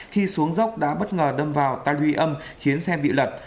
khi xuống dốc đã bất ngờ đâm vào ta luy âm khiến xe bị lật